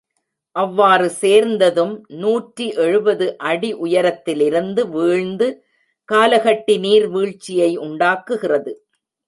அவ்வாறு சேர்ந்த தும் நூற்றி எழுபது அடி உயரத்திலிருந்து வீழ்ந்து காலகட்டி நீர் வீழ்ச்சியை உண்டாக்குகிறது.